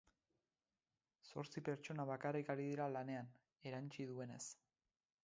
Zortzi pertsona bakarrik ari dira lanean, erantsi duenez.